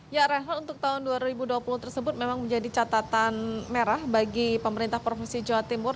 ya renhard untuk tahun dua ribu dua puluh tersebut memang menjadi catatan merah bagi pemerintah provinsi jawa timur